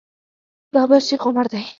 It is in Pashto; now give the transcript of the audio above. دا بل شیخ عمر دی.